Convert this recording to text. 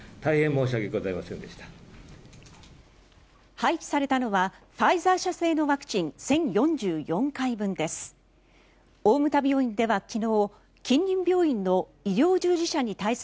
廃棄されたのはファイザー社製のワクチン１０４４回分です。